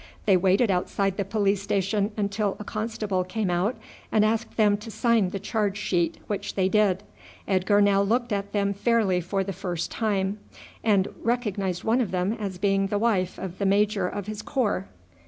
They waited outside the police station until a constable came out and asked them to sign the charge sheet, which they did. Edgar now looked at them fairly for the first time, and recognized one of them as being the wife of the major of his corps.